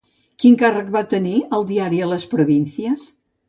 Quin càrrec va tenir al diari Las Provincias?